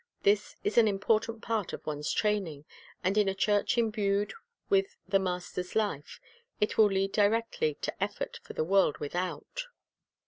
This is an important part of one's training; and in a church imbued with the Master's life, it will lead directly to effort for the world without.